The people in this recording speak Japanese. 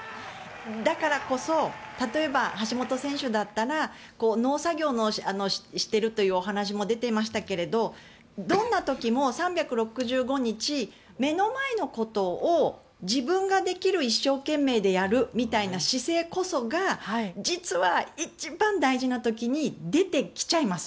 だからこそ例えば橋本選手だったら農作業をしているというお話も出ていましたがどんな時も３６５日、目の前のことを自分ができる一生懸命でやるみたいな姿勢こそが実は一番大事な時に出てきちゃいます。